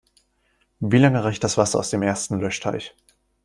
Wie lange reicht das Wasser aus dem ersten Löschteich?